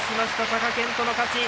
貴健斗の勝ち。